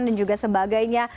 dan juga sebagainya